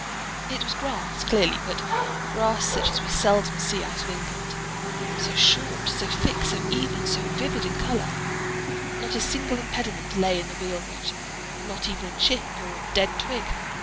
It was grass, clearly—but grass such as we seldom see out of England—so short, so thick, so even, and so vivid in color. Not a single impediment lay in the wheel route—not even a chip or dead twig.